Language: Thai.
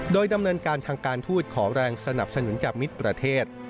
โดยดำเนินการทางการทูตขอแรงสนับสนุนจากมิตรประเทศ